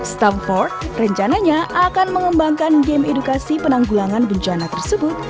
stamford rencananya akan mengembangkan game edukasi penanggulangan bencana tersebut